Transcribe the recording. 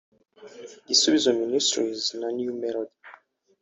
Gisubizo Ministries na New Melody